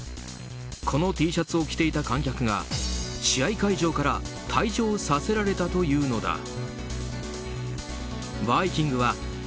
このＴシャツを着ていた観客が試合会場から退場させられたというのだ。